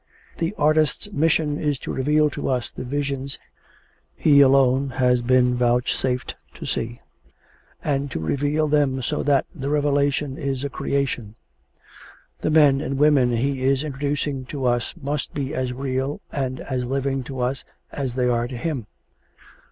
The artist's mission is to reveal to us the visions he alone has been vouchsafed to see, and to reveal them so that the revelation is a creation. The men and women he is introducing to us must be as real and as living to us as they are to him.